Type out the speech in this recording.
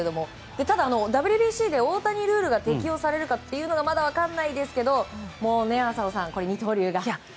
ただ、ＷＢＣで大谷ルールが適用されるかまだ分からないですけど浅尾さん、二刀流が。